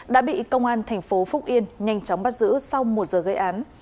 đã bị công an thành phố phúc yên nhanh chóng bắt giữ sau một giờ gây án